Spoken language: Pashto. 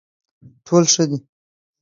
ټول ښه دي.